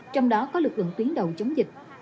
trong đó có lực lượng tuyến đầu chống dịch